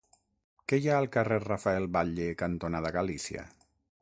Què hi ha al carrer Rafael Batlle cantonada Galícia?